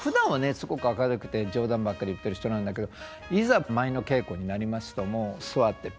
すごく明るくて冗談ばっかり言ってる人なんだけどいざ舞の稽古になりますともう座ってピッ。